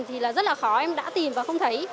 thì là rất là khó em đã tìm và không thấy